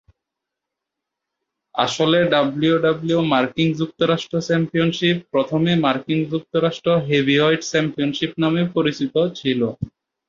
আসলে ডাব্লিউডাব্লিউই মার্কিন যুক্তরাষ্ট্র চ্যাম্পিয়নশিপ প্রথমে মার্কিন যুক্তরাষ্ট্র হেভিওয়েট চ্যাম্পিয়নশিপ নামে পরিচিত ছিল।